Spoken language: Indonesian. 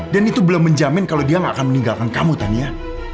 dan itu belum menjamin kalau dia gak akan meninggalkan kamu tania